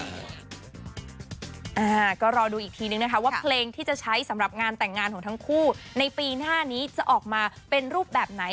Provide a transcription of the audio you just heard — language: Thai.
อ่าก็รอดูอีกทีนึงนะคะว่าเพลงที่จะใช้สำหรับงานแต่งงานของทั้งคู่ในปีหน้านี้จะออกมาเป็นรูปแบบไหน